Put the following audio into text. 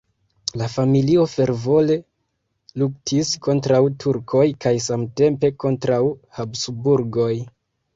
La familio fervore luktis kontraŭ turkoj kaj samtempe kontraŭ Habsburgoj.